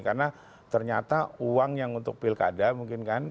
karena ternyata uang yang untuk pilkada mungkin kan